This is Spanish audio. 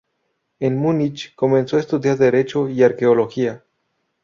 En Múnich comenzó a estudiar Derecho y Arqueología.